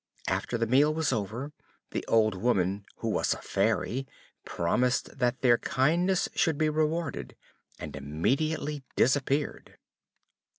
After the meal was over, the old woman, who was a fairy, promised that their kindness should be rewarded, and immediately disappeared.